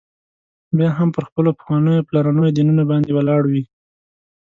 بیا هم پر خپلو پخوانیو پلرنيو دینونو باندي ولاړ وي.